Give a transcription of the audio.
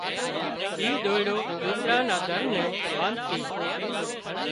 اي ۮوئيڙو زونپڙا نا در نين ٻانڌتي